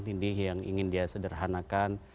tindih yang ingin dia sederhanakan